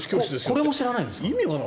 これも知らないんですか？